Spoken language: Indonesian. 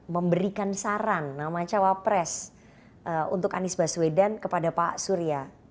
memberikan saran nama cawapres untuk anies baswedan kepada pak surya